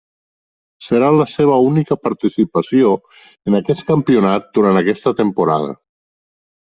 Serà la seva única participació en aquest campionat durant aquesta temporada.